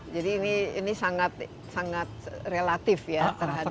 jadi ini sangat relatif ya terhadap keadaan